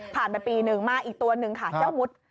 ไปปีหนึ่งมาอีกตัวหนึ่งค่ะเจ้ามุด